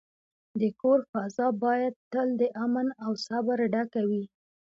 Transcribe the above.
د کور فضا باید تل د امن او صبر ډکه وي.